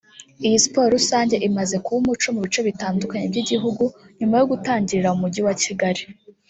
Iyi siporo rusange imaze kuba umuco mu bice bitandukanye by’igihugu nyuma yo gutangirira mu mujyi wa Kigali